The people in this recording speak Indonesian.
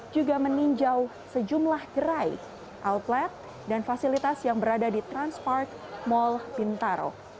juga meninjau sejumlah gerai outlet dan fasilitas yang berada di transmark mall bintaro